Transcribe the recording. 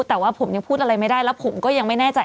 แต่ว่าผมยังพูดอะไรไม่ได้แล้วผมก็ยังไม่แน่ใจ